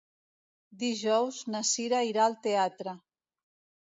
Dijous na Cira irà al teatre.